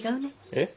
えっ？